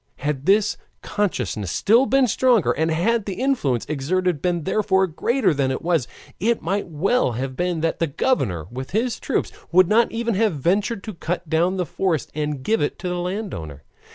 Had this consciousness been still stronger, and had the influence exerted been therefore greater than it was, it might well have been that the governor with his troops would not even have ventured to cut down the forest and give it to the landowner.